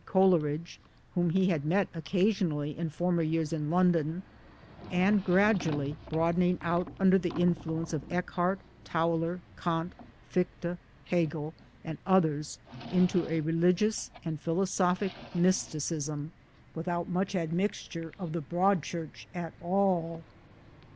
Coleridge (whom he had met occasionally in former years in London), and gradually broadening out under the influence of Eckhardt, Tauler, Kant, Fichte, Hegel and others into a religious and philosophic mysticism without much admixture of the Broad Church at all.